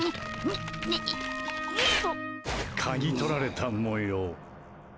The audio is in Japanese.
かぎとられた模様。